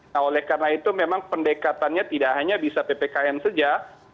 nah oleh karena itu memang pendekatannya tidak hanya bisa ppkm saja